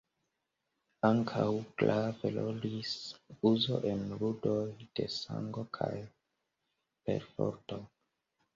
Ankaŭ grave rolis uzo en ludoj de sango kaj perforto.